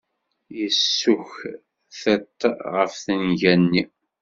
Yessukk tiṭ ɣef tenga-nni.